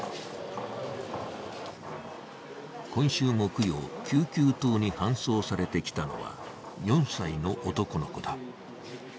今週木曜、救急棟に搬送されてきたのは、４歳の男の子だ。